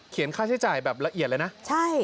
เขียนค่าใช้จ่ายแบบละเอียดแล้วนะใช่